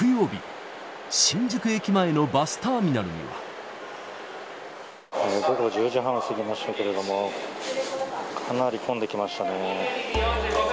木曜日、午後１０時半を過ぎましたけれども、かなり混んできましたね。